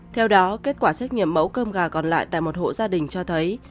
theo đó kết quả xét nghiệm mẫu cơm gà còn lại tại một hộ gia đình cho thấy